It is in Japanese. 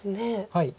はい。